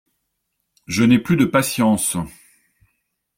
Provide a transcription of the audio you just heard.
Je n’ai plus de patience.